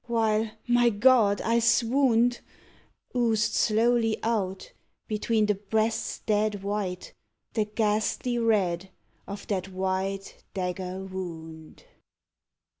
while.... my God! I swooned!... Oozed slowly out, between the breast's dead white, The ghastly red of that wide dagger wound.